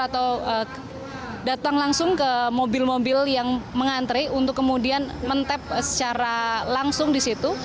atau datang langsung ke mobil mobil yang mengantre untuk kemudian men tap secara langsung di situ